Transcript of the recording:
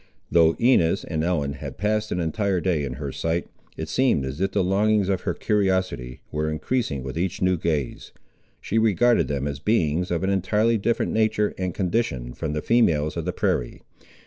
Though Inez and Ellen had passed an entire day in her sight, it seemed as if the longings of her curiosity were increasing with each new gaze. She regarded them as beings of an entirely different nature and condition from the females of the prairie.